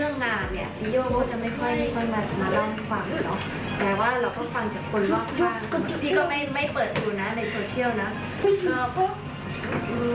คือโดยส่วนมากเรื่องงาน